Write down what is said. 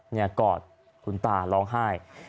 เนี่ยกอดคุณตาร้องไห้